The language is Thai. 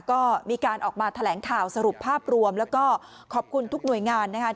ก็มีการออกมาแถลงข่าวสรุปภาพรวมแล้วก็ขอบคุณทุกหน่วยงานนะคะ